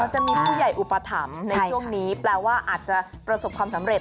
จะมีผู้ใหญ่อุปถัมภ์ในช่วงนี้แปลว่าอาจจะประสบความสำเร็จ